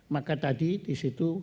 maka tadi disitu